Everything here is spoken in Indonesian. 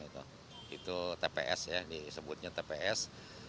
itu tps ya disebutnya tps